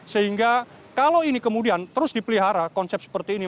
sehingga kalau ini kemudian terus dipelihara konsep seperti ini